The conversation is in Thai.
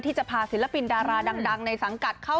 ที่จะพาศิลปินดาราดังในสังกัดเข้า